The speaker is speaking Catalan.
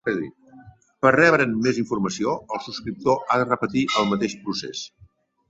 Per rebre'n més informació, el subscriptor ha de repetir el mateix procés.